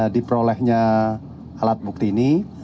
diperolehnya alat bukti ini